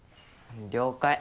了解。